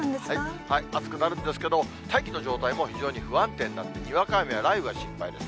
暑くなるんですけど、大気の状態も非常に不安定になって、にわか雨や雷雨が心配です。